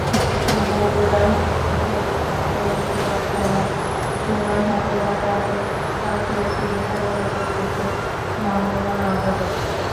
বগুড়ার ধুনটে জুয়া খেলার সময় হাতেনাতে আটক পাঁচ ব্যক্তিকে কারাদণ্ড দিয়েছেন ভ্রাম্যমাণ আদালত।